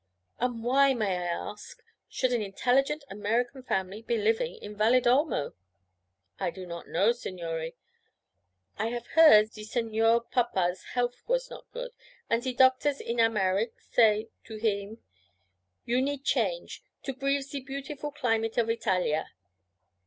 'And why, may I ask, should an intelligent American family be living in Valedolmo?' 'I do not know, signore. I have heard ze Signor Papa's healf was no good, and ze doctors in Americk' zay say to heem, "You need change, to breave ze beautiful climate of Italia."